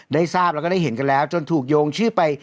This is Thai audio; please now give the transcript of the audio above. ได้ทราบแล้วก็ได้เห็นกันแล้วจนถูกโยงชื่อไป